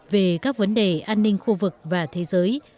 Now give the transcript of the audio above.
về các vấn đề an ninh khu vực và thế giới